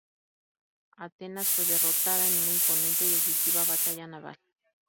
Atenas fue derrotada en una imponente y decisiva batalla naval.